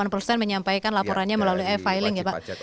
sembilan puluh delapan persen menyampaikan laporannya melalui e filing